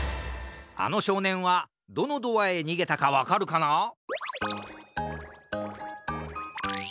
あのしょうねんはどのドアへにげたかわかるかな？